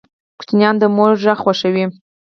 ماشومان د مور غږ خوښوي.